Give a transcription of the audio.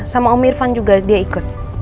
sama om irfan juga dia ikut